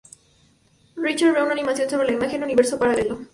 Richard ve una animación sobre la imagen: "Universo paralelo.